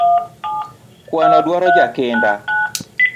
Kwano duaro jakinda